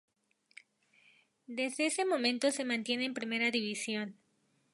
Desde ese momento se mantiene en Primera División.